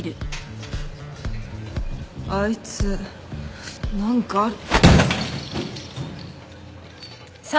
あいつ何かある。